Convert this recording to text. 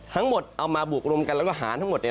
ทั้งหมดเอามาบวกรวมกันแล้วก็หารทั้งหมด